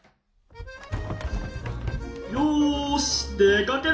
よしでかけるぞ！